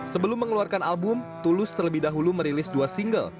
sebelum mengeluarkan album tulus terlebih dahulu merilis dua single